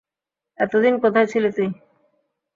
এতদিন কোথায় ছিলি তুই?